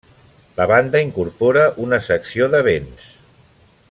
La banda incorpora una secció de vents.